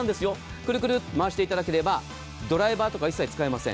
クルクルッと回していただければドライバーとか一切使いません。